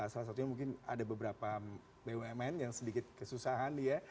salah satunya mungkin ada beberapa bumn yang sedikit kesusahan dia